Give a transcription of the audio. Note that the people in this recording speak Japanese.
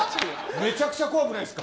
めちゃくちゃ怖くないですか。